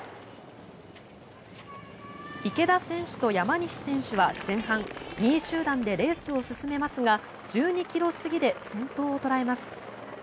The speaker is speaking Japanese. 池田選手と山西選手は前半２位集団でレースを進めますが１２ｋｍ過ぎで先頭を捉えます。